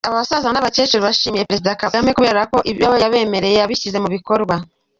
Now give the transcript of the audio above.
Aba basaza n’abakecuru bashimiye Perezida Kagame kubera ko ibyo yabemereye yabishyize mu bikorwa.